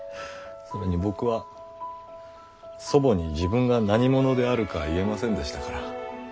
それに僕は祖母に自分が何者であるか言えませんでしたから。